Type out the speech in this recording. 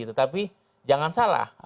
tetapi jangan salah